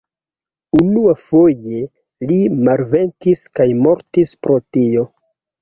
Unuafoje li malvenkis kaj mortis pro tio.